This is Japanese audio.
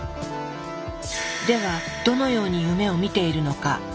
ではどのように夢を見ているのか。